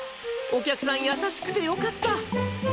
お客さん、優しくてよかった。